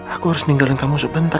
aku harus ninggalin kamu sebentar